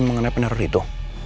mengenai peneror itu